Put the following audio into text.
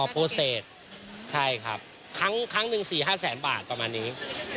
ค้องนึง๔๕แสนบาทประมาณนี้